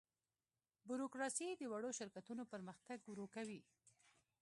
بوروکراسي د وړو شرکتونو پرمختګ ورو کوي.